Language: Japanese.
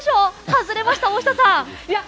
外れました、大下さん。